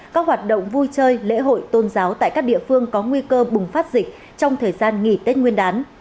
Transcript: các hoạt động vui chơi lễ hội tôn giáo tại các địa phương có nguy cơ bùng phát dịch trong thời gian nghỉ tết nguyên đán